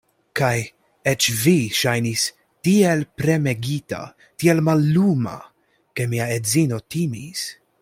Kaj eĉ vi ŝajnis tiel premegita, tiel malluma, ke mia edzino timis.